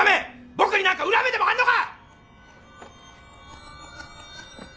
僕になんか恨みでもあるのか！